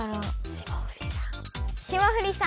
霜降りさん。